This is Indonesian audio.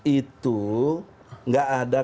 itu gak ada